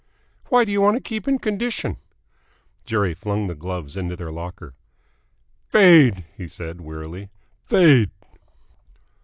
"Why do you want to keep in condition?" Jerry flung the gloves into their locker. "Fade!" he said wearily. "Fade!"